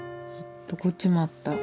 こっちもあった。